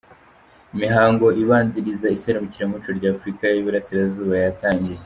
Imihango ibanziriza iserukiramuco rya Afurika y’Uburasirazuba yatangiye